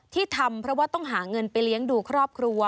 ทำเพราะว่าต้องหาเงินไปเลี้ยงดูครอบครัว